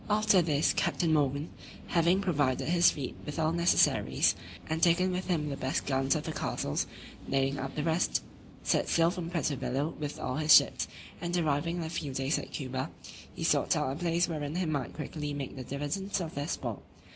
After this, Captain Morgan (having provided his fleet with all necessaries, and taken with him the best guns of the castles, nailing up the rest) set sail from Puerto Bello with all his ships, and arriving in a few days at Cuba, he sought out a place wherein he might quickly make the dividend of their spoil.